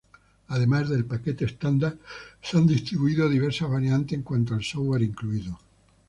Además del paquete estándar, se han distribuido diversas variantes en cuanto al software incluido.